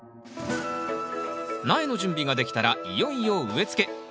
苗の準備ができたらいよいよ植えつけ。